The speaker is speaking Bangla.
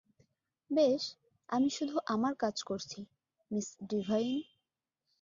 বেশ, আমি শুধু আমার কাজ করছি, মিস ডিভাইন।